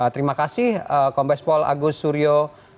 terima kasih kompes pol agus suryo